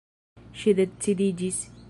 Ŝi decidiĝis.